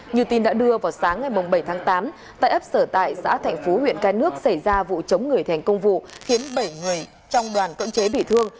như tin đã đưa vào sáng ngày bảy tháng tám tại ấp sở tại xã thạnh phú huyện cái nước xảy ra vụ chống người thành công vụ khiến bảy người trong đoàn cưỡng chế bị thương